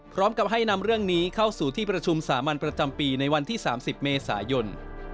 พร้อมกับให้นำเรื่องนี้เข้าสู่ที่ประชุมสามัญประจำปีในวันที่๓๐เมษายน